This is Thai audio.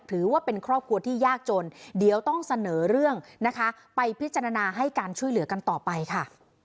ถือว่าเป็นครอบครัวที่ยากจนเดี๋ยวต้องเสนอเรื่องนะคะไปพิจารณาให้การช่วยเหลือกันต่อไปค่ะ